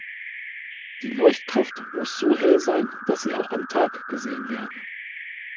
Die Leuchtkraft muss so hell sein, dass sie auch am Tag gesehen werden.